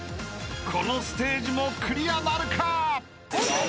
［このステージもクリアなるか！？］